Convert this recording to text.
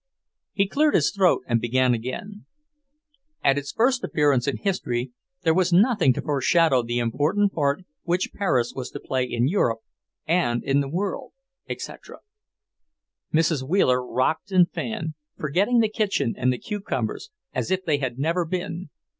He cleared his throat and began again: "At its first appearance in history, there was nothing to foreshadow the important part which Paris was to play in Europe and in the world," etc. Mrs. Wheeler rocked and fanned, forgetting the kitchen and the cucumbers as if they had never been.